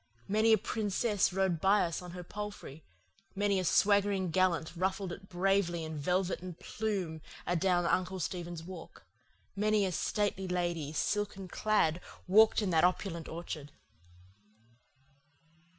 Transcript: Many a princess rode by us on her palfrey, many a swaggering gallant ruffled it bravely in velvet and plume adown Uncle Stephen's Walk, many a stately lady, silken clad, walked in that opulent orchard!